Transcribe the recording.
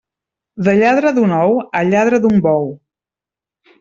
De lladre d'un ou, a lladre d'un bou.